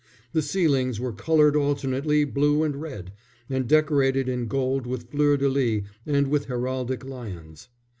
The ceilings were coloured alternately blue and red, and decorated in gold with fleurs de lis and with heraldic lions.